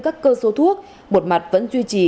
các cơ số thuốc một mặt vẫn duy trì